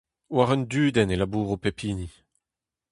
War un dudenn e labouro pep hini.